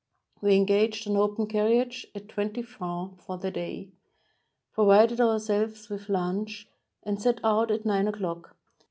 We engaged an open carriage at twenty francs for the day, provided ourselves with lunch, and set out at nine o'clock.